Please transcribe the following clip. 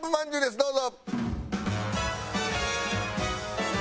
どうぞ。